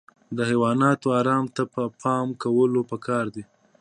د حیواناتو ارام ته پام کول پکار دي.